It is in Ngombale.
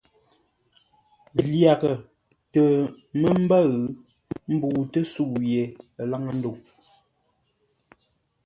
Lyaghʼə tə mə́ ḿbə́ʉ ḿbə́utə́ sə̌u yé laŋə́ ndəu.